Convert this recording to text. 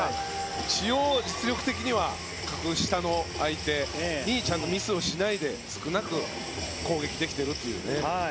実力的には格下の相手にちゃんとミスをしないで少なく攻撃できているという。